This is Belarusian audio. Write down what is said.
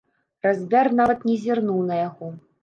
Разьбяр нават не зірнуў на яго.